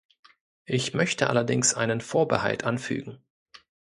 Ich möchte allerdings einen Vorbehalt anfügen.